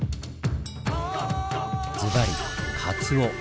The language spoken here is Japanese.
ずばりカツオ！